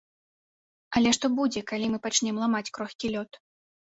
Але што будзе, калі мы пачнём ламаць крохкі лёд?